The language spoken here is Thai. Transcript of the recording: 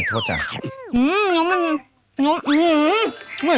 กะเพราทอดไว้